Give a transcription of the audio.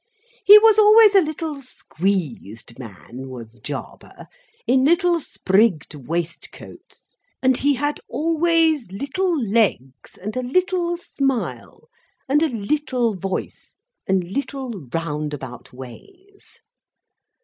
He was always a little squeezed man, was Jarber, in little sprigged waistcoats; and he had always little legs and a little smile, and a little voice, and little round about ways.